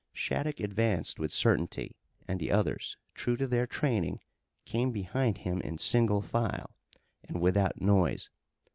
Shattuck advanced with certainty, and the others, true to their training, came behind him in single file, and without noise.